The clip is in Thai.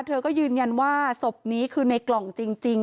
เธอก็ยืนยันว่าศพนี้คือในกล่องจริง